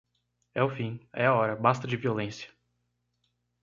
É o fim, é a hora, basta de violência